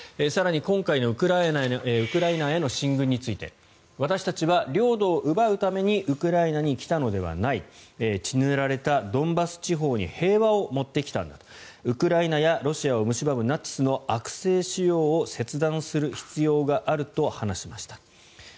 更に今回のウクライナへの進軍について私たちは領土を奪うためにウクライナに来たのではない血塗られたドンバス地方に平和を持ってきたのだウクライナやロシアをむしばむナチスの悪性腫瘍を切断する必要があると話しました。